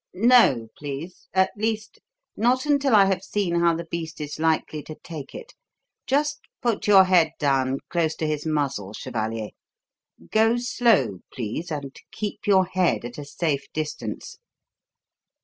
"No, please at least, not until I have seen how the beast is likely to take it. Just put your head down close to his muzzle, chevalier. Go slow, please, and keep your head at a safe distance."